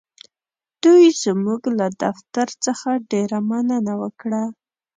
دوی زموږ له دفتر څخه ډېره مننه وکړه.